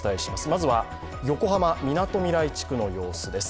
まずは横浜・みなとみらい地区の様子です